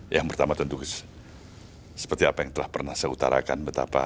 yang pertama tentu seperti apa yang telah pernah seutarakan